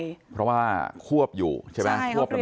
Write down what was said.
คือว่าควบอยู่ใช่ไหมควบตำแหน่งอยู่